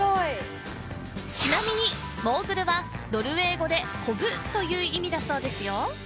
ちなみに「モーグル」はノルウェー語で「コブ」という意味だそうですよ